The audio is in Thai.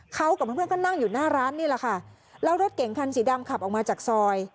เขากับเพื่อนเพื่อนก็นั่งอยู่หน้าร้านนี่แหละค่ะแล้วรถเก่งคันสีดำขับออกมาจากซอย